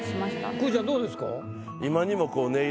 くーちゃんどうですか？